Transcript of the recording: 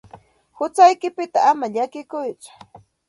Huchaykipita ama llakikuytsu.